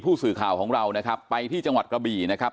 ผู้สื่อข่าวของเรานะครับไปที่จังหวัดกระบี่นะครับ